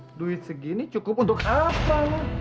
hai duit segini cukup untuk apa